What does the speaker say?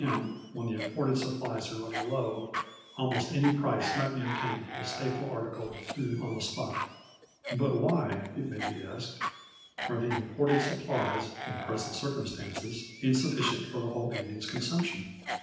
m., when the imported supplies are running low, almost any price might be obtained for the staple article of food on the spot. But why, it may be asked, are the imported supplies, in present circumstances, insufficient for the whole evening's consumption